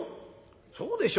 そうでしょ？